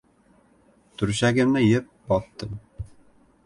Turshagimni yeb boTdim.